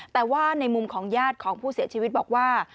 แต่ว่าในมุมของญาติของผู้เสียชีวิตบอกว่า